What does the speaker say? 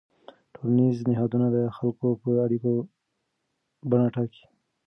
ټولنیز نهادونه د خلکو د اړیکو بڼه ټاکي.